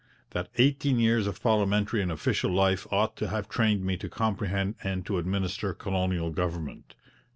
That eighteen years of parliamentary and official life ought to have trained me to comprehend and to administer colonial government.